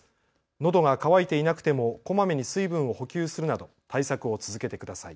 のどが渇いていなくてもこまめに水分を補給するなど対策を続けてください。